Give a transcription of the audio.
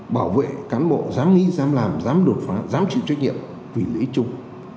bảo vệ cán bộ dám nghĩ dám làm dám đột phá dám chịu trách nhiệm vì lễ chung